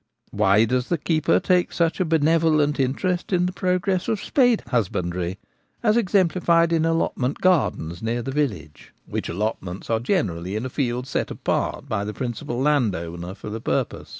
Why does the keeper take such a benevolent interest in the progress of spade husbandry, as exemplified in allotment gardens near the village, which allotments are generally in a field set apart by the principal landowner for the purpose?